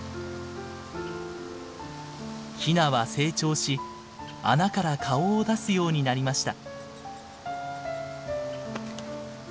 ヒナは成長し穴から顔を出すようになりました。